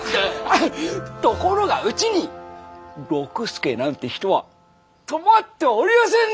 あっところがうちに六助なんて人は泊まっておりやせんで。